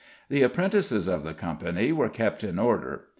The apprentices of the Company were kept in order.